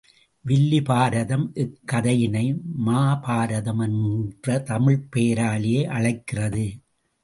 வில்லி பாரதம் இக் கதையினை மாபாரதம் என்ற தமிழ்ப் பெயராலேயே அழைக்கிறது.